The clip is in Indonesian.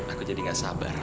aku jadi gak sabar